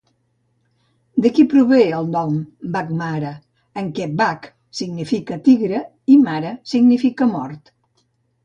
D'aquí prové el nom Baghmara, en què "bagh" significa "tigre" i "mara" significa "mort".